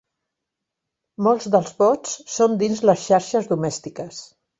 Molts dels bots són dins de xarxes domèstiques